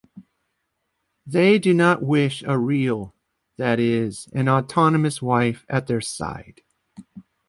They do not wish a real, that is, an autonomous wife at their side.